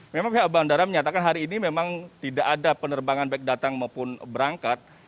memang pihak bandara menyatakan hari ini memang tidak ada penerbangan baik datang maupun berangkat